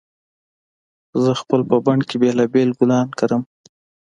زه خپل په بڼ کې بېلابېل ګلان کرم